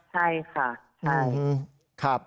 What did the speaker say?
ใช่ค่ะ